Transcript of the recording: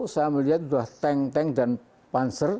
saya melihat sudah tank tank dan panser